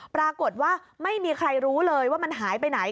ปรากฏว่าไม่มีใครรู้เลยว่ามันหายไปไหน